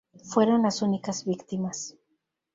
Fueron las únicas víctimas.